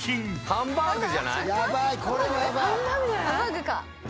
ハンバーグ？